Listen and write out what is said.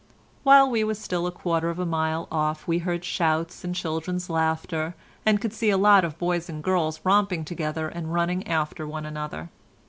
While we were still a quarter of a mile off we heard shouts and children's laughter, and could see a lot of boys and girls romping together and running after one another.